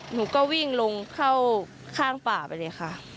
หนูก็วิ่งลงเข้าข้างป่าไปเลยค่ะ